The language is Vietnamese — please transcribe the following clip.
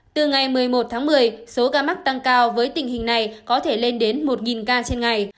từ ngày một mươi một tháng một mươi số ca mắc tăng cao với tình hình này có thể lên đến một ca trên ngày